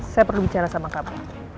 saya perlu bicara sama kami